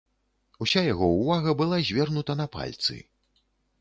Уся яго ўвага была звернута на пальцы.